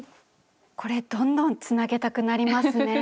これどんどんつなげたくなりますね。